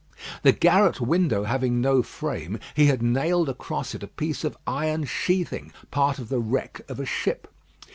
The garret window having no frame, he had nailed across it a piece of iron sheathing, part of the wreck of a ship.